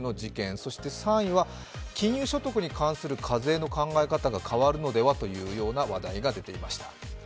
そして３位は金融所得への課税の考え方が変わるのではというような話題が出ていました。